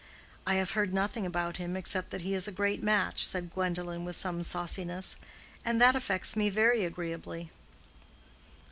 "I have heard nothing about him except that he is a great match," said Gwendolen, with some sauciness; "and that affects me very agreeably."